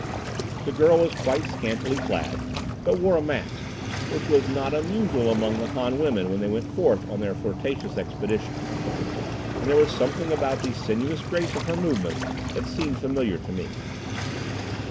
The girl was quite scantily clad, but wore a mask, which was not unusual among the Han women when they went forth on their flirtatious expeditions, and there was something about the sinuous grace of her movements that seemed familiar to me.